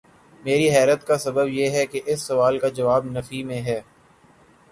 میری حیرت کا سبب یہ ہے کہ اس سوال کا جواب نفی میں ہے۔